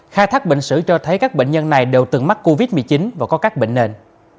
khai thác bệnh sử cho thấy các bệnh nhân này đều từng mắc covid một mươi chín và có các bệnh nền